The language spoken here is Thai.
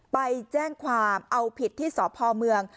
ไปแจ้งความเอาผิดที่สพเมือง